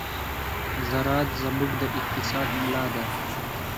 زراعت زموږ د اقتصاد ملا ده.